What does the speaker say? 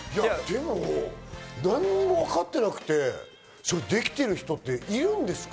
何にも分かってなくて、できてる人っているんですか？